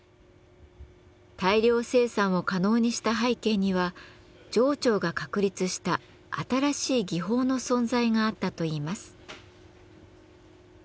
大量生産を可能にした背景には定朝が確立した新しい技法の存在があったといいます。